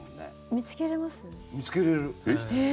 見つけれる。